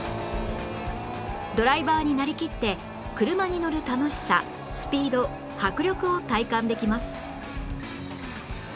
ドライバーになりきって車に乗る楽しさスピード迫力を体感できます